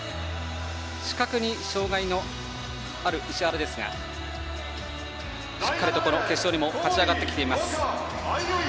視覚に障害のある石原ですがしっかりと決勝に勝ち上がってきています。